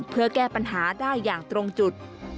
เพื่อแก้ปัญหาได้อย่างตรงจุด